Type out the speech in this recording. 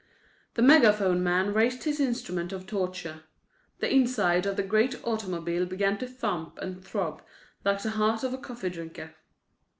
The megaphone man raised his instrument of torture; the inside of the great automobile began to thump and throb like the heart of a coffee drinker.